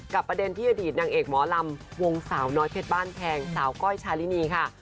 ประเด็นที่อดีตนางเอกหมอลำวงสาวน้อยเพชรบ้านแพงสาวก้อยชาลินีค่ะ